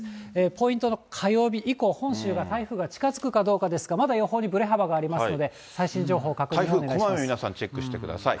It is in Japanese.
ポイントの火曜日以降、本州に台風が近づくかどうかですが、まだ予報にぶれ幅がありますので、最新情報確認してください。